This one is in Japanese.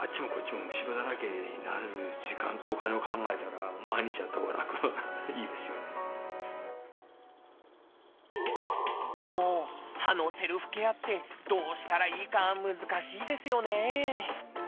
あっちもこっちも虫歯だらけになるでも歯のセルフケアってどうしたらいいか難しいですよね。